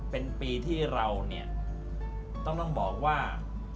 เป็นปีที่เราเนี่ยต้องบอกว่า